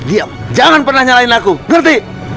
diam jangan pernah nyalain laku ngerti